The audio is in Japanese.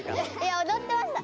おどってました。